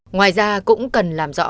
ngoài ra cũng cần làm rõ